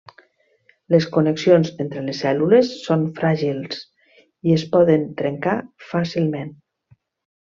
Les connexions entre les cèl·lules són fràgils i es poden trencar fàcilment.